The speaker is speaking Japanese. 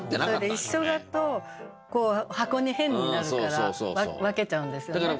それで一緒だと箱に変になるから分けちゃうんですよね。